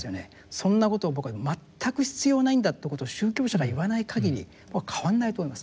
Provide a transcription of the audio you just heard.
そんなことを僕は全く必要ないんだということを宗教者が言わないかぎり僕は変わんないと思います。